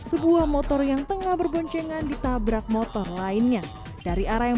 kedua truk box yang ditumpah di jalan raya sadeng kecamatan lewi sadeng kabupaten bogor jawa barat pada senin petang